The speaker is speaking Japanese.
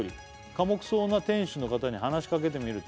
「寡黙そうな店主の方に話しかけてみると」